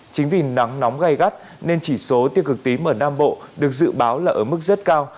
chính vì nắng nóng gai gắt nên chỉ số tiêu cực tím ở nam bộ được dự báo là ở mức rất cao